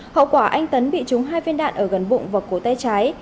hậu quả anh tấn bị trúng hai viên đạn ở gần bụng và cổ tay trái